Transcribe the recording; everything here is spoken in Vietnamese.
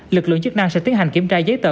lực lượng chức năng sẽ tiến hành kiểm tra giấy tờ